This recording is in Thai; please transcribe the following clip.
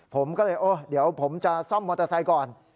ผมก็เลยโอ้เดี๋ยวผมจะซ่อมมอเตอร์ไซค์ก่อน